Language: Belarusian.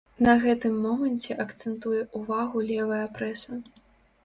На гэтым моманце акцэнтуе ўвагу левая прэса.